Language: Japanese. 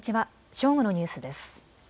正午のニュースです。